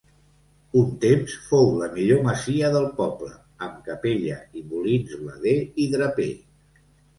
Un temps fou la millor masia del poble, amb capella i molins blader i draper.